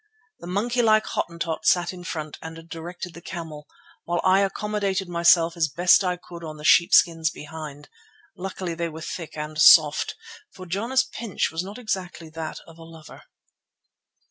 The monkey like Hottentot sat in front and directed the camel, while I accommodated myself as best I could on the sheepskins behind. Luckily they were thick and soft, for Jana's pinch was not exactly that of a lover.